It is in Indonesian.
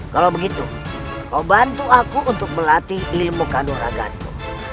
kalau begitu kau bantu aku untuk melatih ilmu kanuraganku